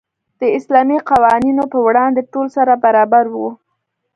د اسلامي قوانینو په وړاندې ټول سره برابر وو.